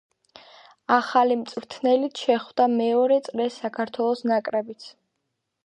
ახალი მწვრთნელით შეხვდა მეორე წრეს საქართველოს ნაკრებიც.